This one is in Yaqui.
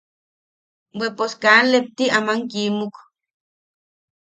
Be pos kaa lepti aman kimuk.